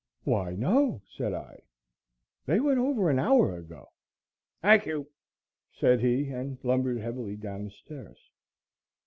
"Why, no," said I. "They went over an hour ago." "Thank you," said he, and lumbered heavily down the stairs.